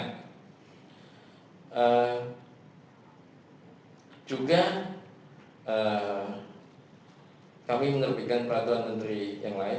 kemudian kita menerbitkan peraturan menteri yang lain